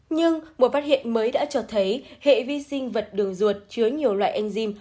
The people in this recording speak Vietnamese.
nhưng một phát hiện mới đã cho thấy hệ vi sinh vật đường ruột chứa nhiều loại enzym